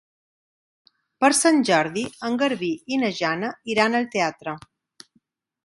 Per Sant Jordi en Garbí i na Jana iran al teatre.